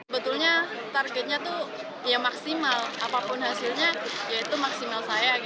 betulnya targetnya itu maksimal apapun hasilnya maksimal saya